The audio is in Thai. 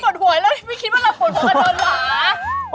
น่าสใกล้สุดแล้วไม่คิดว่าเราโปรดโผล่กันหรอฮะ